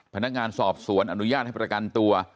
พนักงานสอบสวนอนุญาตให้ประกันตัว